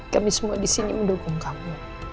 kami semua disini mendukung kamu